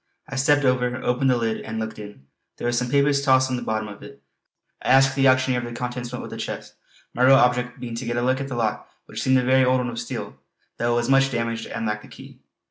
I stepped over, opened the lid and looked in; there were some papers tossed on the bottom of it. I asked the auctioneer if the contents went with the chest, my real object being to get a look at the lock which seemed a very old one of steel, though it was much damaged and lacked a key.